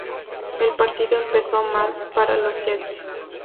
El partido empezó mal para los Jets.